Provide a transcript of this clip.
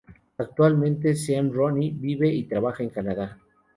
Actualmente Sean Rooney vive y trabaja en Canadá.